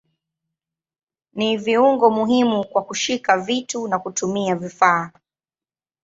Ni viungo muhimu kwa kushika vitu na kutumia vifaa.